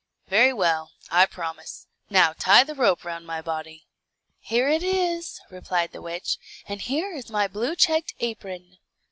"Very well; I promise. Now tie the rope round my body." "Here it is," replied the witch; "and here is my blue checked apron."